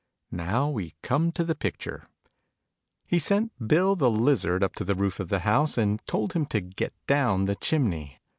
(Now we come to the picture ). He sent Bill, the Lizard, up to the roof of the house, and told him to get down the chimney.